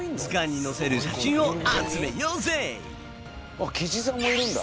あっキジさんもいるんだ。